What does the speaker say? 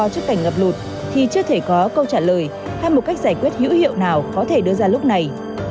trước cảnh ngập lụt thì chưa thể có câu trả lời hay một cách giải quyết hữu hiệu nào có thể đưa ra lúc này